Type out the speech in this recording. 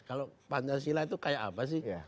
kalau pancasila itu kayak apa sih